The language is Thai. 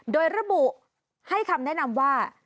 โดยระบุให้คำแนะนำว่า